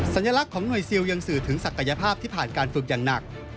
สัญลักษณ์ของหน่วยซิลยังสื่อถึงศักยภาพที่ผ่านการฝึกอย่างหนัก